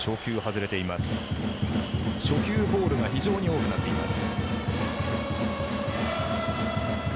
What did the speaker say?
初球ボールが非常に多くなっています。